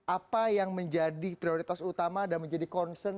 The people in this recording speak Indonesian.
apa yang menjadi prioritas utama dan menjadi concern